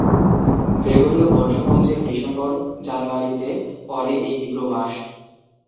গ্রেগরীয় বর্ষপঞ্জির ডিসেম্বর-জানুয়ারিতে পড়ে এই হিব্রু মাস।